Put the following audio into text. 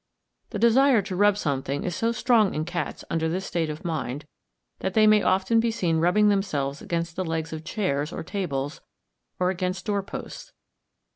The desire to rub something is so strong in cats under this state of mind, that they may often be seen rubbing themselves against the legs of chairs or tables, or against door posts.